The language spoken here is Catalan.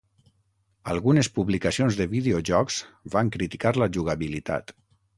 Algunes publicacions de videojocs van criticar la jugabilitat.